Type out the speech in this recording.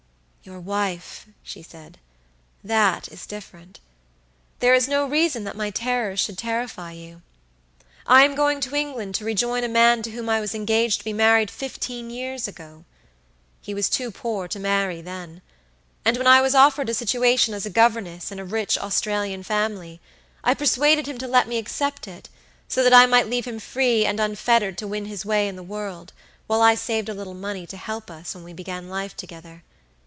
"Your wife," she said; "that is different. There is no reason that my terrors should terrify you. I am going to England to rejoin a man to whom I was engaged to be married fifteen years ago. He was too poor to marry then, and when I was offered a situation as governess in a rich Australian family, I persuaded him to let me accept it, so that I might leave him free and unfettered to win his way in the world, while I saved a little money to help us when we began life together.